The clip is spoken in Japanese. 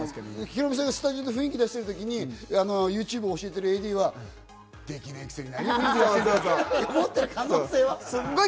ヒロミさんがスタジオで雰囲気出してるときにＹｏｕＴｕｂｅ教えてるＡＤはできねえくせに何言ってんだよ！